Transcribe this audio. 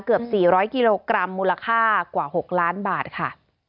เกือบสี่ร้อยกิโลกรัมมูลค่ากว่าหกล้านบาทค่ะ